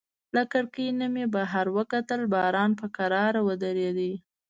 له کړکۍ نه مې بهر وکتل، باران په کراره وریده.